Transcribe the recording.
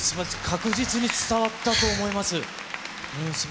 確実に伝わったと思います。